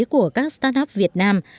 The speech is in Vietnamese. của các start up việt nam